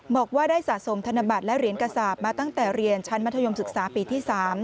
บอกว่าได้สะสมธนบัตรและเหรียญกษาปมาตั้งแต่เรียนชั้นมัธยมศึกษาปีที่๓